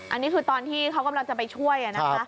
อันนี้คือตอนที่เขากำลังจะไปช่วยนะคะ